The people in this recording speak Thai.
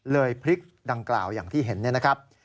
พลิกดังกล่าวอย่างที่เห็นเนี่ยนะครับ